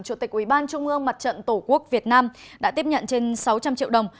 chủ tịch ủy ban trung ương mặt trận tổ quốc việt nam đã tiếp nhận trên sáu trăm linh triệu đồng